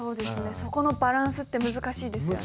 そこのバランスって難しいですよね。